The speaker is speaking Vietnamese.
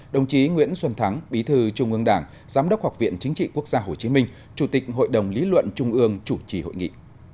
đồng chí nguyễn xuân thắng bí thư trung ương đảng giám đốc học viện chính trị quốc gia hồ chí minh chủ tịch hội đồng lý luận trung ương chủ trì hội nghị